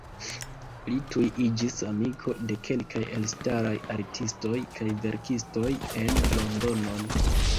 Li tuj iĝis amiko de kelkaj elstaraj artistoj kaj verkistoj en Londonon.